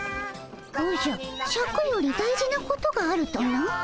おじゃシャクより大事なことがあるとな？